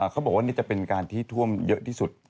เขาบอกว่านี่จะเป็นการที่ท่วมเยอะที่สุด